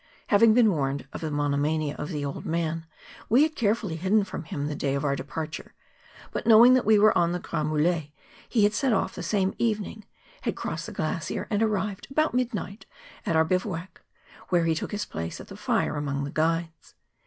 Having been warned of the monomania of the old man, we had carefully hidden from him the day of our departure, but knowing that we were on the Grrand Mulets, he had set off the same even¬ ing, had crossed the glacier and arrived about mid¬ night at our bivouac, where he took his place by the fire among the guides.